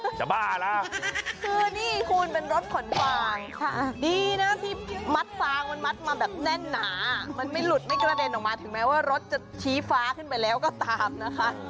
จะบ้าแล้วคือนี่คุณเป็นรถขนควายดีนะที่มัดฟางมันมัดมาแบบแน่นหนามันไม่หลุดไม่กระเด็นออกมาถึงแม้ว่ารถจะชี้ฟ้าขึ้นไปแล้วก็ตามนะคะ